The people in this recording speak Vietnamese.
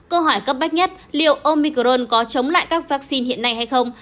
câu hỏi cấp bách nhất liệu omicron có chống lại các phép